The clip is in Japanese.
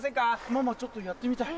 ママちょっとやってみたい。